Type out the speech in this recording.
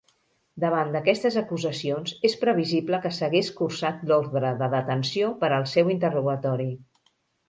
Davant d'aquestes acusacions és previsible que s'hagués cursat l'ordre de detenció per al seu interrogatori.